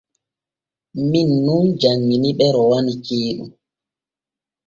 Min nun janŋini ɓe rowani ceeɗu.